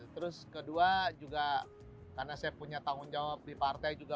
terus kedua juga karena saya punya tanggung jawab di partai juga